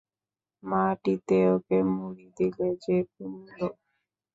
মাটিতে ওকে মুড়ি দিলে যে কুন্দ?